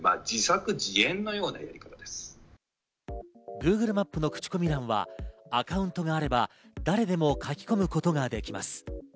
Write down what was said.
Ｇｏｏｇｌｅマップの口コミ欄はアカウントがあれば誰でも書き込むことができます。